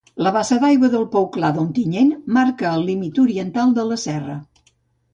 La bassa d'aigua del Pou Clar d'Ontinyent marca el límit oriental de la serra.